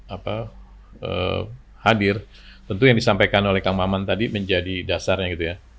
apa hadir tentu yang disampaikan oleh kang maman tadi menjadi dasarnya gitu ya